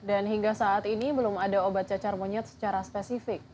dan hingga saat ini belum ada obat cacar monyet secara spesifik